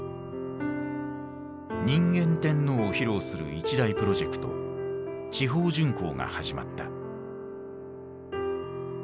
「人間天皇」を披露する一大プロジェクト地方巡幸が始まった。